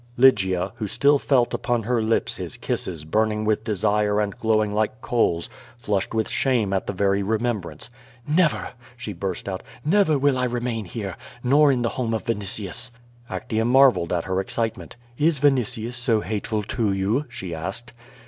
Lygia, who still felt upon her lips his kisses burning with desire and glowing like coals, flushed with shame at the very remembrance. "Never," she burst out, "never will I remain here, nor in the home of Vinitius." Actea marvelled at her excitement. "Is Vinitius so hate ful to you?" she asked.